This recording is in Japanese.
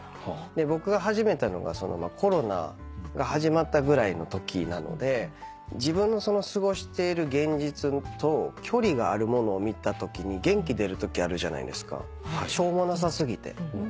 僕が始めたのがコロナが始まったぐらいのときなので自分の過ごしている現実と距離があるものを見たときに元気出るときあるじゃないですかしょうもなさ過ぎて。